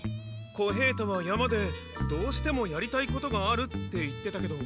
小平太は山でどうしてもやりたいことがあるって言ってたけど。